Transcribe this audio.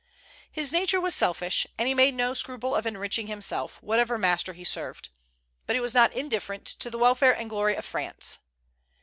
His nature was selfish, and he made no scruple of enriching himself, whatever master he served; but he was not indifferent to the welfare and glory of France.